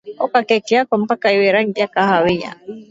oka keki yako mpaka iwe rangi ya kahawia